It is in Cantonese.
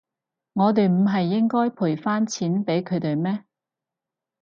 我哋唔係應該賠返錢畀佢哋咩？